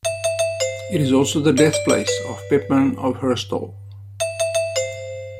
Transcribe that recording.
It is also the death place of Pepin of Herstal.